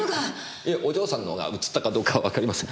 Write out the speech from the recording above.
いえお嬢さんのがうつったかどうかはわかりません。